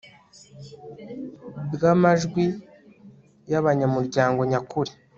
bw amajwi y abanyamuryango nyakuri